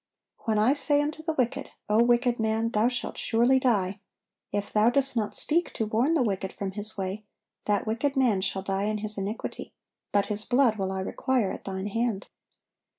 When I say unto the wicked, O wicked man, thou shalt surely die; if thou dost not speak to warn the wicked from his way, that wicked man shall die in his iniquity; but his blood will I require at thine hand.